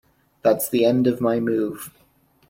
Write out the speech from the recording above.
That’s the end of my move.